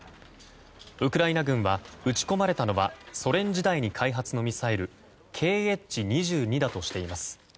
ウクライナ軍は撃ち込まれたのはソ連時代に開発のミサイルＫｈ２２だとしています。